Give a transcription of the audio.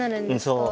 そう。